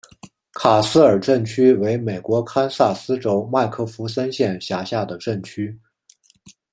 卡斯尔镇区为美国堪萨斯州麦克弗森县辖下的镇区。